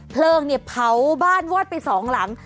เพลิงเนี่ยเผาบ้านวอดไปสองหลัง